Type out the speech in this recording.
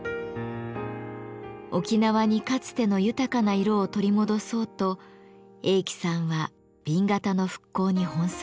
沖縄にかつての豊かな色を取り戻そうと栄喜さんは紅型の復興に奔走しました。